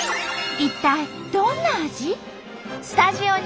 一体どんな味？